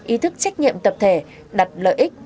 ý thức trách nhiệm tập thể đặt lợi ích